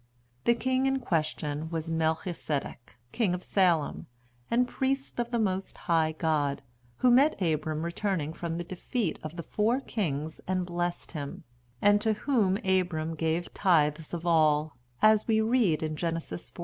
The king in question was Melchizedek, King of Salem, and priest of the most high God, who met Abram returning from the defeat of the four kings and blessed him, and to whom Abram gave tithes of all, as we read in Genesis xiv.